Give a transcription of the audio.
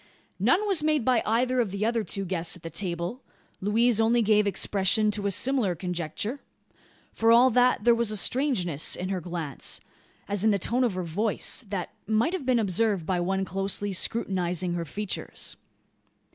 None was made by either of the other two guests at the table. Louise only gave expression to a similar conjecture. For all that, there was a strangeness in her glance as in the tone of her voice that might have been observed by one closely scrutinising her features.